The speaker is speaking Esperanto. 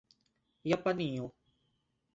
japanio